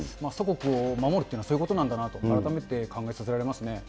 祖国を守るというのはそういうことなんだなと改めて考えさせられますね。